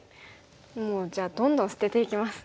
もうじゃあどんどん捨てていきます。